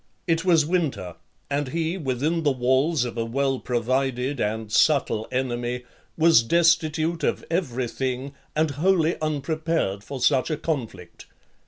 It was winter, and he, within the walls of a well provided and subtle enemy, was destitute of every thing, and wholly unprepared (24) for such a conflict.